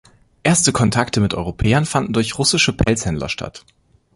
Erste Kontakte mit Europäern fanden durch russische Pelzhändler statt.